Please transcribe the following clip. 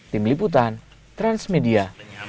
tim liputan transmedia